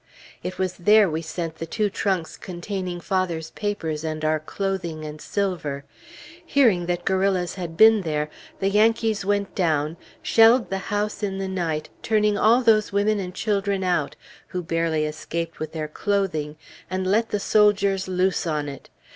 It was there we sent the two trunks containing father's papers and our clothing and silver. Hearing that guerrillas had been there, the Yankees went down, shelled the house in the night, turning all those women and children out, who barely escaped with their clothing, and let the soldiers loose on it.